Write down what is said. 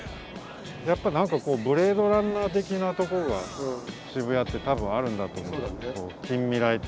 やっぱ何かこう「ブレードランナー」的なとこが渋谷ってたぶんあるんだと思うんだけど近未来